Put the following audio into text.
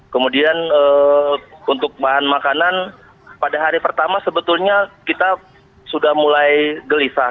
kemudian untuk bahan makanan pada hari pertama sebetulnya kita sudah mulai gelisah